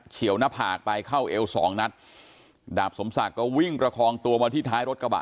ี่ยวหน้าผากไปเข้าเอวสองนัดดาบสมศักดิ์ก็วิ่งประคองตัวมาที่ท้ายรถกระบะ